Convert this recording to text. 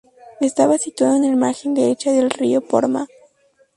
Estaba situado en la margen derecha del río Porma.